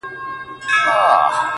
o چي تور نه مري، بور به هم نه مري!